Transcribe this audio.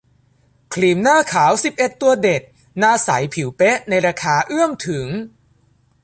ครีมหน้าขาว สิบเอ็ด ตัวเด็ด หน้าใสผิวเป๊ะในราคาเอื้อมถึง